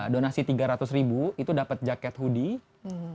donasi tiga ratus ribu itu dapat jaket hoodie